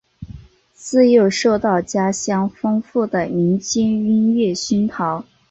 自幼受到家乡丰富的民间音乐熏陶。